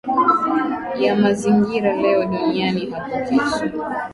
ya mazingira leo dunia hapo kesho